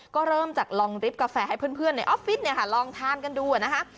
ก็เริ่มจากลองริบกาแฟให้เพื่อนในออฟฟิศลองทานกันดูนะคะ